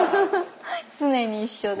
常に一緒で。